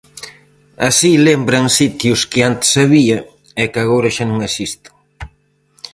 Así lembran sitios que antes había e que agora xa non existen.